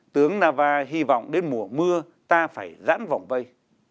tướng nava hy vọng đến mùa mưa ta phải giãn vòng vây